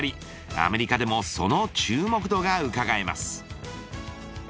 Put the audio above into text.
アメリカでもその注目度がうかがえます。